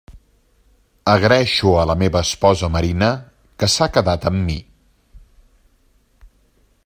Agraeixo a la meva esposa Marina, que s'ha quedat amb mi.